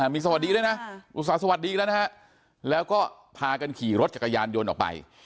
มีสวัสดีด้วยนะอุตส่าห์สวัสดีแล้วนะฮะแล้วก็พากันขี่รถจักรยานยนต์ออกไป